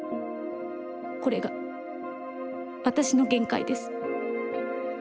これが私の限界です。